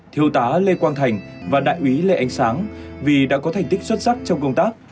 thiếu tá lê quang thành và đại úy lê ánh sáng vì đã có thành tích xuất sắc trong công tác